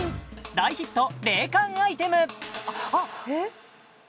大ヒット冷感アイテムえっ？